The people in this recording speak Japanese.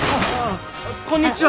こんにちは。